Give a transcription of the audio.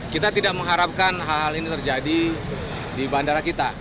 kita tidak mengharapkan hal hal ini terjadi di bandara kita